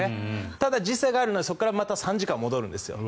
ただ、時差があるので、そこからまた３時間戻るんですよ。